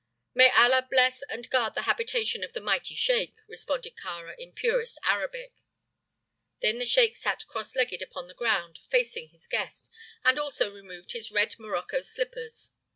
"May Allah bless and guard the habitation of the mighty sheik!" responded Kāra, in purest Arabic. Then the sheik sat cross legged upon the ground, facing his guest, and also removed his red morocco slippers.